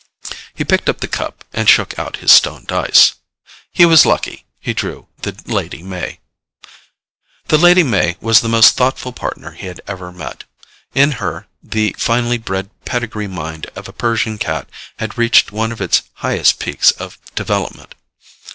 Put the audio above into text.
He picked up the cup and shook out his stone dice. He was lucky he drew the Lady May. The Lady May was the most thoughtful Partner he had ever met. In her, the finely bred pedigree mind of a Persian cat had reached one of its highest peaks of development.